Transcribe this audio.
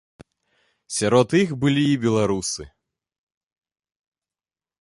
Сярод іх былі і беларусы.